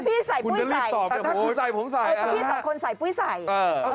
ถ้าพี่ใส่ปุ๊ยใส่